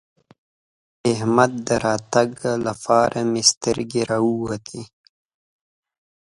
د احمد د راتګ لپاره مې سترګې راووتلې.